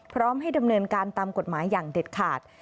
พร้อมให้ดำเนินการตามกฎหมายอย่างเด็ดขาด